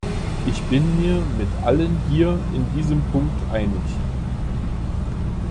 Ich bin mir mit allen hier in diesem Punkt einig.